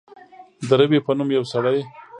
د روي په نوم یو سړی.